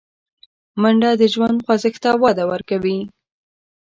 منډه د ژوند خوځښت ته وده ورکوي